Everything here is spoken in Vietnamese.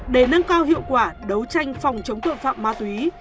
để nâng cao hiệu quả đấu tranh phòng chống tội phạm ma túy